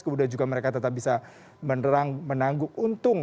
kemudian juga mereka tetap bisa menerang menangguk untung